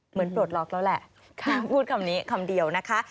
ปลดล็อกแล้วแหละพูดคำนี้คำเดียวนะคะ